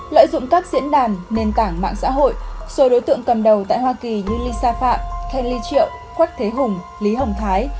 lợi dụng các diễn đàn nền tảng mạng xã hội số đối tượng cầm đầu tại hoa kỳ như lisa phạm ken ly triệu quách thế hùng lý hồng thái